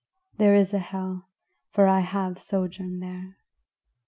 There is a hell, for I have sojourned there.